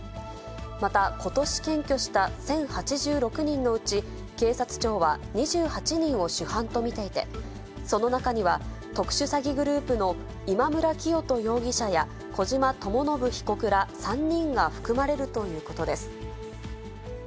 また、ことし検挙した１０８６人のうち、警察庁は２８人を主犯と見ていて、その中には、特殊詐欺グループの今村磨人容疑者や小島智信被告ら３人が含まれるということです。